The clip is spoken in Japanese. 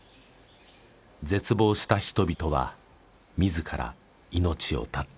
絶望した人々は自ら命を絶った。